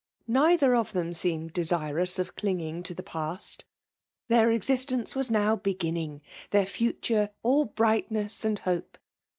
Neither of them seemed desirous of clinging to the past. Their existence was now beginning ; their future all brightness and hope.